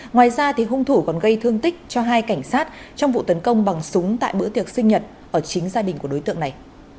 ngoài ra hung thủ còn gây thương tích cho hai cảnh sát trong vụ tấn công bằng súng tại bữa tiệc sinh nhật ở chính gia đình của đối tượng này